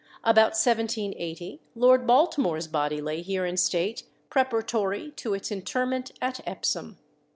About 1780 Lord Baltimore's body lay here in state, preparatory to its interment at Epsom.